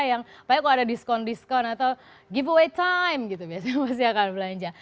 yang apalagi kalau ada diskon diskon atau giveaway time gitu biasanya masih akan belanja